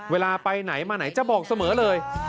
เวลาไปไหนมาไหนจะบอกเสมอเลย